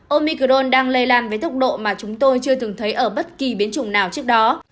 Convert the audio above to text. omicron đang lây lan với tốc độ mà chúng tôi chưa từng thấy ở bất kỳ biến chủng nào trước đó